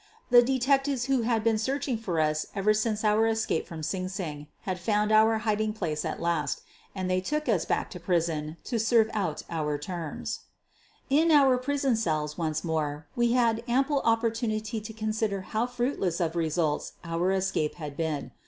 The detectives who had been searching for us ever since our escape from Sing Sing had 78 SOPHIE LYONS •found our hiding place at last, and they took us back to prison to serve out our terms. In our prison cells, once more, we had ample op portunity to consider how fruitless of results our escape had been.